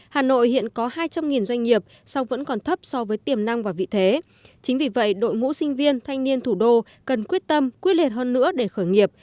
hà nội hiện có hai trăm linh doanh nghiệp song vẫn còn thấp so với tiềm năng và vị thế chính vì vậy đội ngũ sinh viên thanh niên thủ đô cần quyết tâm quyết liệt hơn nữa để khởi nghiệp